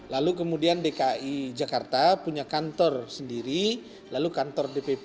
lalu kemudian dki jakarta punya kantor sendiri lalu kantor dpp